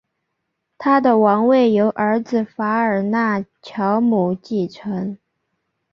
他的王位由儿子法尔纳乔姆继承。